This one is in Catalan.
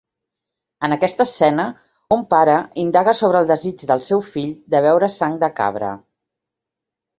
En aquesta escena, un pare indaga sobre el desig del seu fill de beure sang de cabra.